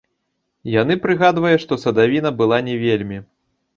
Яны прыгадвае, што садавіна была не вельмі.